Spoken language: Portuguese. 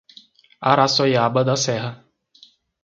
Araçoiaba da Serra